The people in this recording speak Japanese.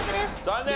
残念。